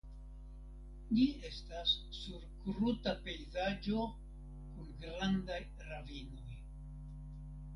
Ĝi estas sur kruta pejzaĝo kun grandaj ravinoj.